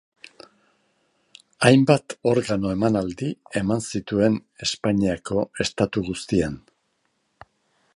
Hainbat organo-emanaldi eman zituen Espainiako estatu guztian.